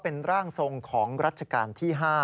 เป็นร่างทรงของรัชกาลที่๕